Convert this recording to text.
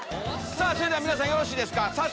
それでは皆さんよろしいですか。